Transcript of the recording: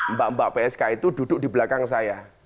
mbak mbak psk itu duduk di belakang saya